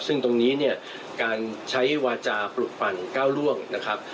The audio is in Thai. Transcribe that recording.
ซึ่งตรงนี้เนี่ยการใช้วาจาปลุกปั่นก้าวล่วงนะครับ